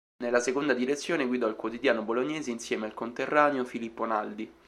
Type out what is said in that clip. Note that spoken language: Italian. Nella seconda direzione guidò il quotidiano bolognese insieme al conterraneo Filippo Naldi.